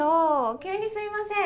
急にすいません。